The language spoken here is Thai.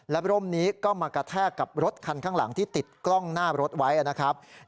และร่มนี้ก็มากระแทกกับรถคันข้างหลังที่ติดกล้องหน้ารถไว้นะครับ